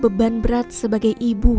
beban berat sebagai ibu